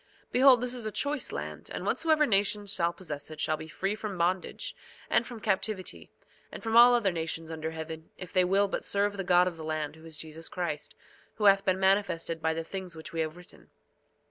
2:12 Behold, this is a choice land, and whatsoever nation shall possess it shall be free from bondage, and from captivity, and from all other nations under heaven, if they will but serve the God of the land, who is Jesus Christ, who hath been manifested by the things which we have written.